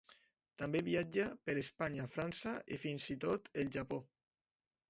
També viatjà per Espanya, França i fins i tot el Japó.